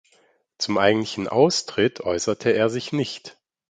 Zum eigentlichen Austritt äußerte er sich nicht.